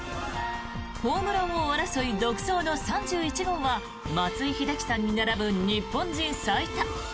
ホームラン王争い独走の３１号は松井秀喜さんに並ぶ日本人最多。